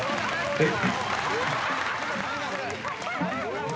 えっ？